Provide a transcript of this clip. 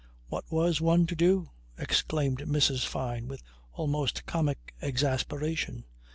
"What was one to do," exclaimed Mrs. Fyne with almost comic exasperation.